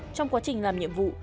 trong quá trình làm nhiệm vụ